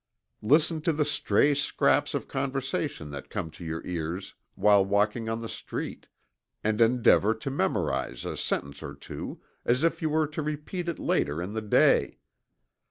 Listen to the stray scraps of conversation that come to your ears while walking on the street, and endeavor to memorize a sentence or two, as if you were to repeat it later in the day.